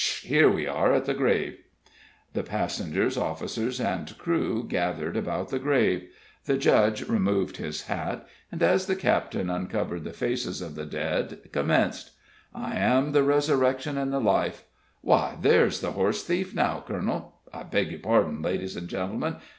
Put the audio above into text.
Sh h here we are at the grave." The passengers, officers, and crew gathered about the grave. The Judge removed his hat, and, as the captain uncovered the faces of the dead, commenced: "'I am the resurrection and the life' Why, there's the horse thief now, colonel! I beg your pardon, ladies and gentlemen.